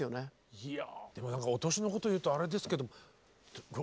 でも何かお年のこと言うとあれですけど６０？